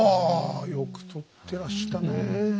よく取ってらしたねえ。